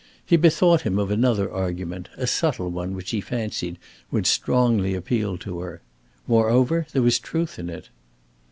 He bethought him of another argument, a subtle one which he fancied would strongly appeal to her. Moreover, there was truth in it.